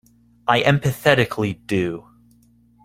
I emphatically do.